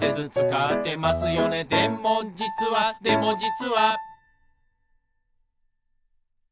「でもじつはでもじつは」